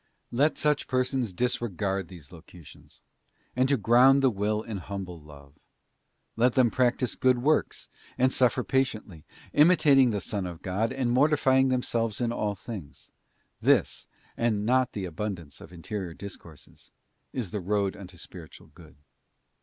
Let such persons learn to disregard these locutions, and to ground the will in humble love; let them practise good works, and suffer patiently, imitating the Son of God, and mortifying themselves in all things: this, and not the abun dance of interior discourses, is the road unto spiritual good.